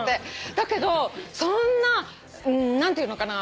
だけどそんな何ていうのかな。